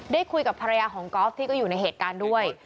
ได้คุยกับภรรยาของกอล์ฟที่ก็อยู่ในเหตุการณ์ด้วย